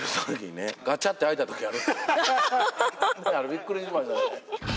びっくりしましたね。